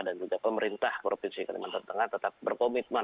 dan juga pemerintah provinsi kalimantan tengah tetap berkomitmen